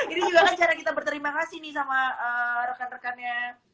ini juga kan cara kita berterima kasih nih sama rekan rekannya